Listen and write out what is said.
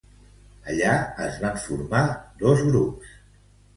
Allà es van formar dos grups.